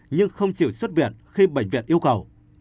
nhưng không chịu xuất viện khi bệnh viện yêu cầu